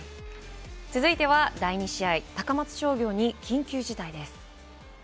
続いては第２試合、高松商業に緊急事態です。